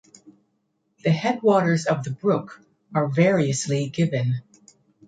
The headwaters of the brook are variously given.